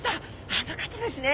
あの方ですね。